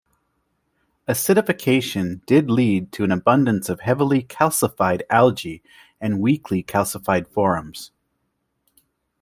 Acidification did lead to an abundance of heavily calcified algae and weakly calcified forams.